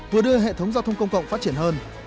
vừa đưa hệ thống giao thông công cộng phát triển hơn